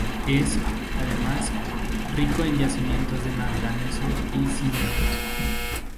Es, además, rico en yacimientos de manganeso y cinc.